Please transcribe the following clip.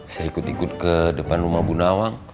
seikut ikut ke depan rumah bu nawang